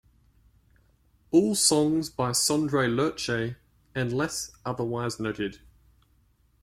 All songs by Sondre Lerche unless otherwise noted.